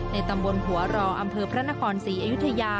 ตำบลหัวรออำเภอพระนครศรีอยุธยา